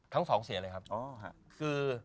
ทั้งสองเสียเลยครับคือ